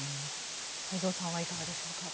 太蔵さんはいかがでしょうか。